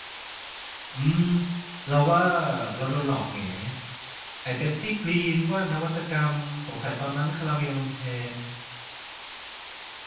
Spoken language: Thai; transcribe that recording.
อืม เราว่า เราโดนหลอกแหง ไอ้เป็ปซี่กรีน ว่านวัตกรรม สงสัยตอนนั้นคาราเมลมันแพง